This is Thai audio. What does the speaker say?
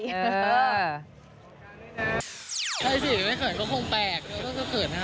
แล้วอีชี่ไม่เผิดก็คงแปลก